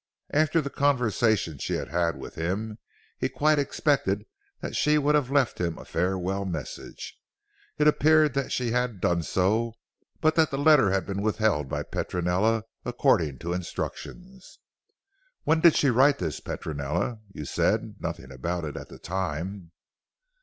After the conversation she had had with him he quite expected that she would have left him a farewell message. It appeared that she had done so, but that the letter had been withheld by Petronella, according to instructions. "When did she write this Petronella? You said nothing about it at the time."